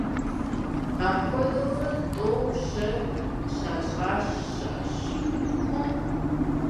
Апхуэдэурэ тӀэу, щэ щащӀ щыӀэщ.